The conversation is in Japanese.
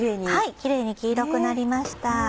キレイに黄色くなりました。